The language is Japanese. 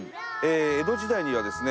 江戸時代にはですね